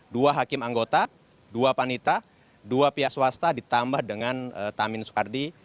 dua hakim anggota dua panita dua pihak swasta ditambah dengan tamin soekardi